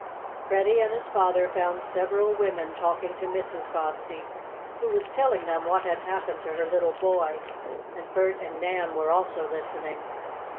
Freddie and his father found several women talking to Mrs. Bobbsey, who was telling them what had happened to her little boy, and Bert and Nan were also listening.